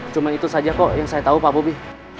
cuma itu saja kok yang saya tahu pak bobi